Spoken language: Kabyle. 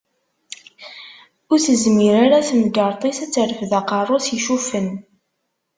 Ur tezmir ara temgerṭ-is ad terfeḍ aqerru-s icuffen.